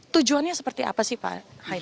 tujuannya seperti apa sih pak